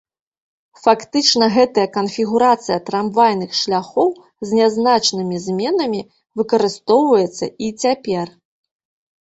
Фактычна гэтая канфігурацыя трамвайных шляхоў з нязначнымі зменамі выкарыстоўваецца і цяпер.